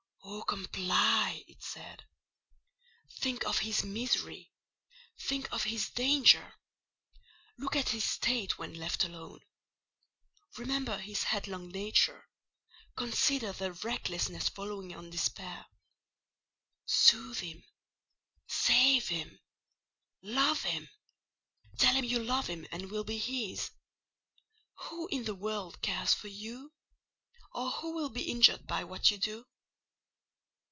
"Oh, comply!" it said. "Think of his misery; think of his danger—look at his state when left alone; remember his headlong nature; consider the recklessness following on despair—soothe him; save him; love him; tell him you love him and will be his. Who in the world cares for you? or who will be injured by what you do?"